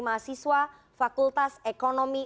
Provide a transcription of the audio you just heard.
mahasiswa fakultas ekonomi